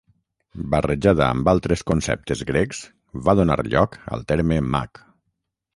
Barrejada amb altres conceptes grecs, va donar lloc al terme mag.